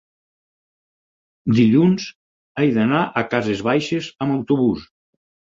Dilluns he d'anar a Cases Baixes amb autobús.